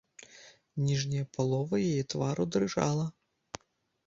Ніжняя палова яе твару дрыжала.